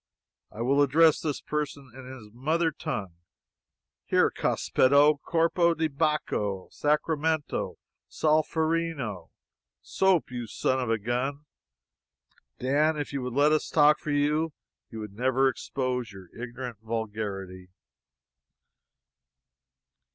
I will address this person in his mother tongue: 'Here, cospetto! corpo di Bacco! Sacramento! Solferino! Soap, you son of a gun!' Dan, if you would let us talk for you, you would never expose your ignorant vulgarity."